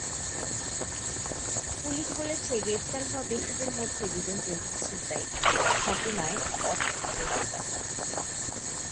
Police বলছে, গ্রেপ্তার হওয়া ব্যক্তিদের মধ্যে দুজন জঙ্গি ছিনতাই ঘটনায় অর্থের জোগানদাতা।